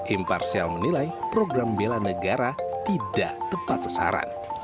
imparsial menilai program bela negara tidak tepat sasaran